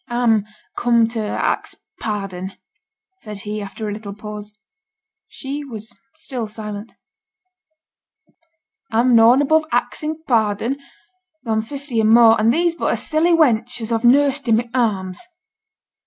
'A'm come to ax pardon,' said he, after a little pause. She was still silent. 'A'm noane above axing pardon, though a'm fifty and more, and thee's but a silly wench, as a've nursed i' my arms.